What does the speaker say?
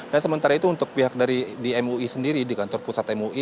dan sementara itu untuk pihak dari mui sendiri di kantor pusat mui